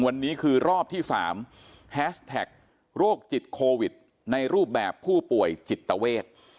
วันนี้คือรอบที่๓แฮชแท็กโรคจิตโควิดในรูปแบบผู้ป่วยจิตเวท